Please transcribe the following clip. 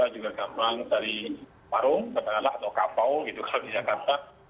juga gampang dari parung kata kata atau kapau gitu kalau di jakarta